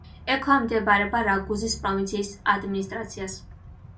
ექვემდებარება რაგუზის პროვინციის ადმინისტრაციას.